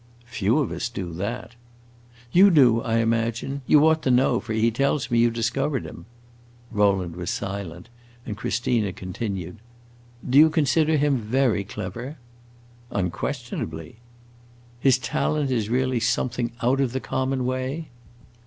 "Few of us do that." "You do, I imagine. You ought to know, for he tells me you discovered him." Rowland was silent, and Christina continued, "Do you consider him very clever?" "Unquestionably." "His talent is really something out of the common way?"